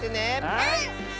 はい！